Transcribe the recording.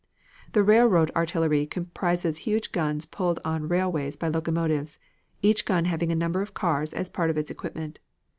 The railroad artillery comprises huge guns pulled on railways by locomotives, each gun having a number of cars as part of its equipment.